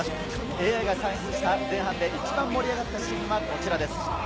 ＡＩが算出した前半で一番盛り上がったシーンはこちらです。